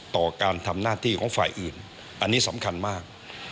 ต่อการทำหน้าที่ของฝ่ายอื่นอันนี้สำคัญมาก